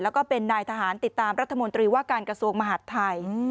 แล้วก็เป็นนายทหารติดตามรัฐมนตรีว่าการกระทรวงมหาดไทย